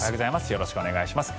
よろしくお願いします。